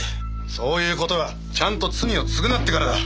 そういう事はちゃんと罪を償ってからだ！